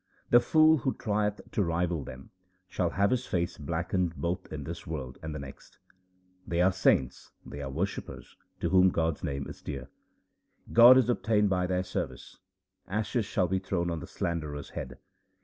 The fool who trieth to rival them, shall have his face blackened both in this world and the next. They are saints, they are worshippers to whom God's name is dear. God is obtained by their service ; ashes shall be thrown on the slanderer's head.